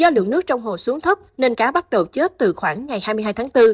do lượng nước trong hồ xuống thấp nên cá bắt đầu chết từ khoảng ngày hai mươi hai tháng bốn